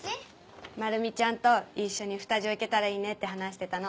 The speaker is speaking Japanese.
まるみちゃんと一緒に二女行けたらいいねって話してたの。